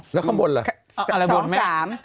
แล้วข้างบนล่ะ๒๓อะไรบนไหม